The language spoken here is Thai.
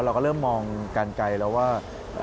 เราก็เริ่มมองกันไกลแล้วว่า